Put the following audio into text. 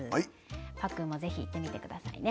パックンも是非行ってみてくださいね。